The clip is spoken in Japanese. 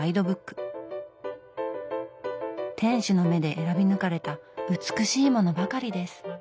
店主の目で選び抜かれた美しいものばかりです。